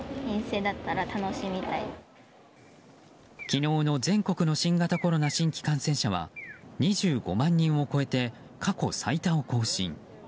昨日の全国の新型コロナ新規感染者は２５万人を超えて過去最多を更新。